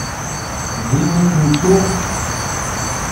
Din i ten-tuɣ?